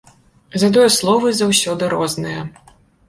Затое словы заўсёды розныя.